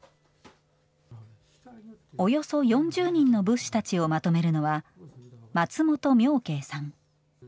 およそ４０人の仏師たちをまとめるのは、松本明慶さん。